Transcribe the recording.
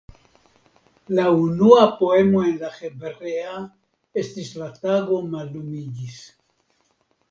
La unua poemo en la hebrea estis "La tago mallumiĝis.